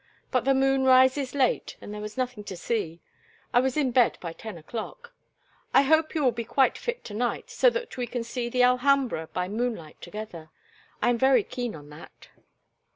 But the moon rises late and there was nothing to see. I was in bed by ten o'clock. I hope you will be quite fit to night so that we can see the Alhambra by moonlight together. I am very keen on that."